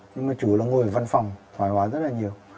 nhưng mà chủ là ngồi ở văn phòng thoải hóa rất là nhiều